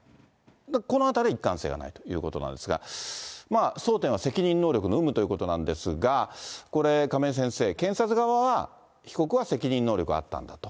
このあたり、一貫性がないということなんですが、争点は責任能力の有無ということなんですが、これ、亀井先生、検察側は、被告は責任能力あったんだと。